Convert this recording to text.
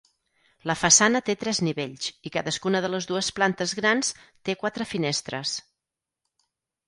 La façana té tres nivells i cadascuna de les dues plantes grans té quatre finestres.